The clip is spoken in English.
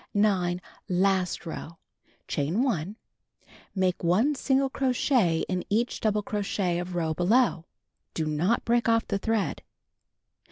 9. Last row: Chain 1. Make 1 single crochet in each double crochet of row below. Do not break off the thread.